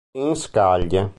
In scaglie.